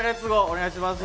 お願いします。